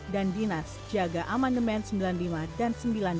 dan dinas jaga amendement sembilan puluh lima dan sembilan puluh delapan